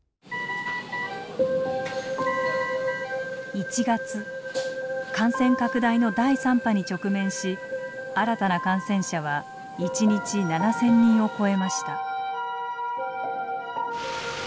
１月感染拡大の第３波に直面し新たな感染者は一日７，０００人を超えました。